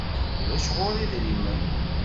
Ulac ɣur-i idrimen.